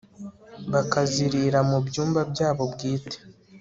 bakazirira mu byumba byabo bwite